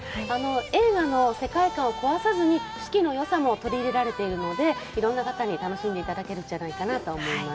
映画の世界観を壊さずに四季の良さも取り入れられているので、いろんな方に楽しんでいただけるんじゃないかと思います。